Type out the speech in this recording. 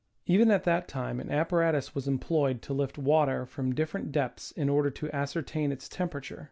Even at that time an apparatus was employed to lift water from differ ent depths in order to ascertain its temperature.